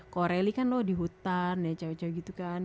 kalau rally kan lo di hutan ya cewek cewek gitu kan